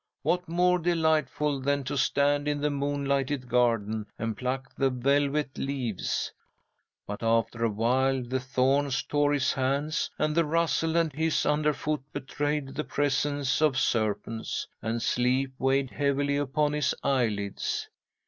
"What more delightful than to stand in the moonlighted garden and pluck the velvet leaves." But after awhile the thorns tore his hands, and the rustle and hiss underfoot betrayed the presence of serpents, and sleep weighed heavily upon his eyelids.